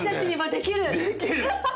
できる！